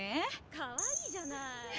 かわいいじゃない。